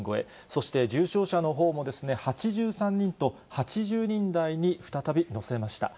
そして重症者のほうも８３人と、８０人台に再び乗せました。